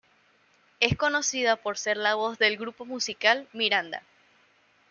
Es conocida por ser la voz del grupo musical Miranda!.